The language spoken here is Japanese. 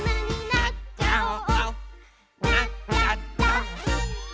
「なっちゃった！」